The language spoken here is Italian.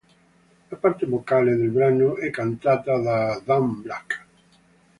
La parte vocale del brano è cantata da Dan Black.